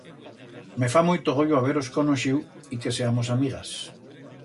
Me fa muito goyo haber-os conoixiu y que seamos amigas.